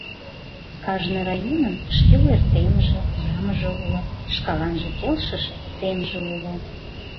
Кажне районын шке ойыртемже, ямже уло, шкаланже келшыше семже уло.